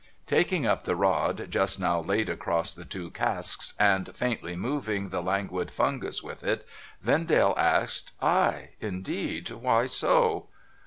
Taking up the rod just now laid across the two casks, and faintly moving the languid fungus with it, Vendale asked, 'Ay, indeed? Why so